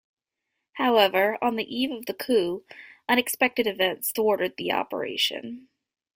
However, on the eve of the coup, unexpected events thwarted the operation.